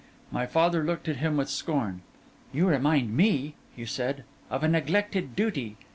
My father looked at him with scorn: 'You remind me,' he said, 'of a neglected duty.